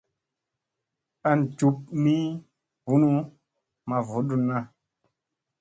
An jup ni bunu maa vudunna.